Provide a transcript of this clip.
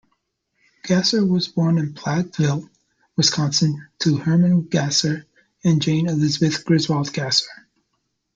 Gasser was born in Platteville, Wisconsin, to Herman Gasser and Jane Elisabeth Griswold Gasser.